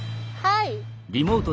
はい。